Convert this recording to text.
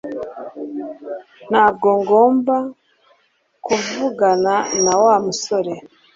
Ntabwo ngomba kuvugana na Wa musore